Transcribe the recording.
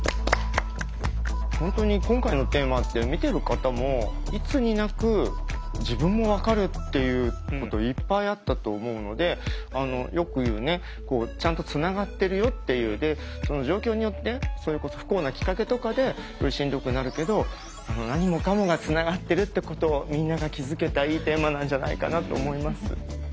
本当に今回のテーマって見てる方もいつになく自分も分かるっていうこといっぱいあったと思うのでよく言うねちゃんとつながってるよっていうその状況によってそれこそ不幸なきっかけとかでしんどくなるけど何もかもがつながってるってことをみんなが気づけたいいテーマなんじゃないかなと思います。